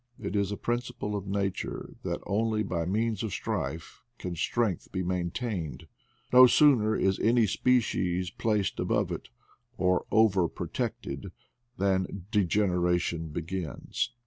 It is a principle of nature that only by means of strife can strength be maintained No sooner is any species placed above it, or over protected, than degeneration begins.